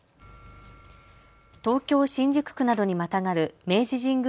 東京新宿区などにまたがる明治神宮